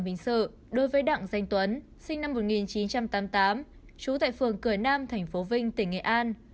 hình sự đối với đặng danh tuấn sinh năm một nghìn chín trăm tám mươi tám trú tại phường cửa nam thành phố vinh tỉnh nghệ an